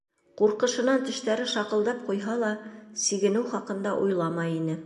Ҡурҡышынан тештәре шаҡылдап ҡуйһа ла, сигенеү хаҡында уйламай ине.